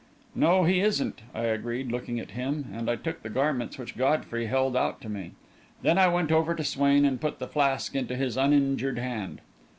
"No, he isn't," I agreed, looking at him, and I took the garments which Godfrey held out to me. Then I went over to Swain and put the flask into his uninjured hand.